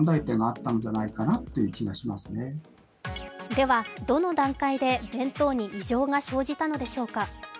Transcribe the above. では、どの段階で弁当に異常が生じたのでしょうか。